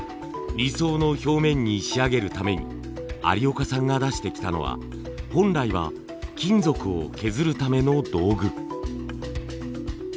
理想の表面に仕上げるために有岡さんが出してきたのは本来は金属を削るための道具。